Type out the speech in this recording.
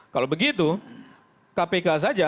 kalau begitu kpk